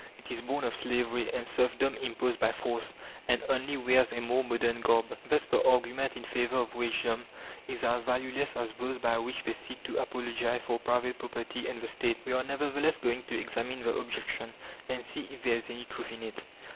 It is born of slavery and serfdom imposed by force, and only wears a more modern garb. Thus the argument in favour of wagedom is as valueless as those by which they seek to apologize for private property and the State. We are, nevertheless, going to examine the objection, and see if there is any truth in it.